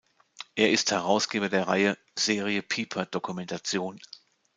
Er ist Herausgeber der Reihe "Serie Piper Dokumentation".